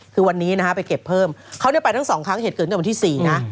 คือวันนี้นะฮะไปเก็บเพิ่มเขาเนี่ยไปทั้งสองครั้งเหตุเกิดวันที่๔นะ